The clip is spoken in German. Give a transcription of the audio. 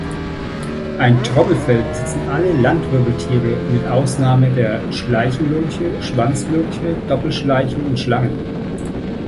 Ein Trommelfell besitzen alle Landwirbeltiere mit Ausnahme der Schleichenlurche, Schwanzlurche, Doppelschleichen und Schlangen.